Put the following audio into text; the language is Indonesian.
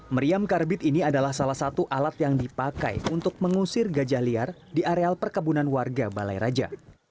meriam karbit ini adalah salah satu alat yang dipakai untuk mengusir gajah liar di areal perkebunan warga balai raja